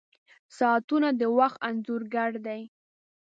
• ساعتونه د وخت انځور ګر دي.